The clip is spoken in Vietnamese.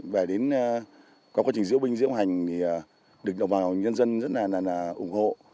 về đến quá trình diễu binh diễu hành lực lượng công an nhân dân rất là ủng hộ